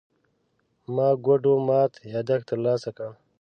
ما ګوډو مات يادښت ترلاسه کړ.